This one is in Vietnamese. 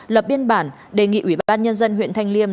lập biên bản đề nghị ủy ban nhân dân huyện thanh liêm